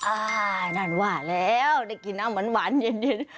อ่านั่นว่าแล้วได้กินน้ำหวานเย็น